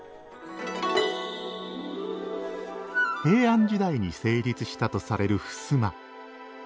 平安時代に成立したとされる襖。